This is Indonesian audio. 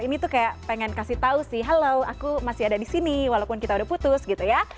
ini tuh kayak pengen kasih tau sih halo aku masih ada di sini walaupun kita udah putus gitu ya